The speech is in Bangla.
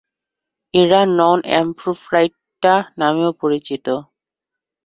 এরা নন-এম্ব্রোফাইটা নামেও পরিচিত।